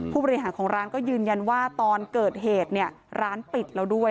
ผู้บริหารของร้านก็ยืนยันว่าตอนเกิดเหตุเนี่ยร้านปิดแล้วด้วย